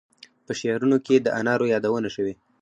په شعرونو کې د انارو یادونه شوې.